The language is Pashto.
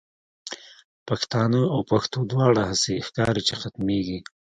پښتانه او پښتو دواړه، هسی ښکاری چی ختمیږی